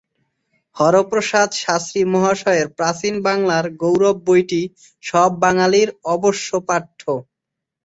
হরপ্রসাদ শাস্ত্রী মহাশয়ের প্রাচীন বাংলার গৌরব বইটি সব বাঙালির অবশ্যপাঠ্য।